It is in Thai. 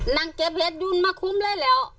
นางเกฟเฮสยุนมาคุ้มไว้แล้ว